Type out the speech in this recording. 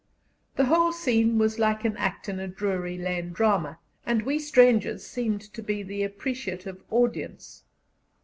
The whole scene was like an act in a Drury Lane drama, and we strangers seemed to be the appreciative audience.